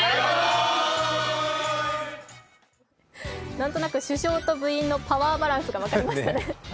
何となく主将は部員のパワーバランスが分かりましたね。